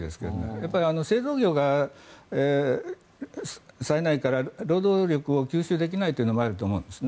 やっぱり製造業が冴えないから労働力を吸収できないというのがあると思います。